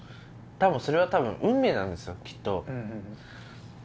多分それは運命なんですよきっと。